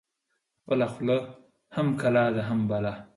خپله خوله هم کلا ده هم بلا.